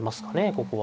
ここは。